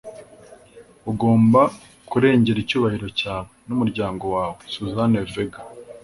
ugomba kurengera icyubahiro cyawe. n'umuryango wawe. - suzanne vega